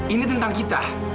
ini tentang kita